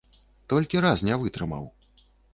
Толькі раз не вытрымаў.